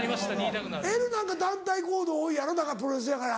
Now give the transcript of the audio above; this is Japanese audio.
エルなんか団体行動多いやろプロレスやから。